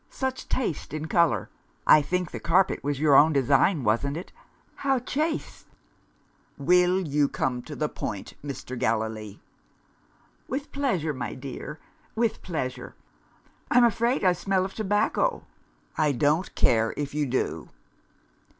"Such taste in colour. I think the carpet was your own design, wasn't it? How chaste!" "Will you come to the point, Mr. Gallilee?" "With pleasure, my dear with pleasure. I'm afraid I smell of tobacco?" "I don't care if you do!"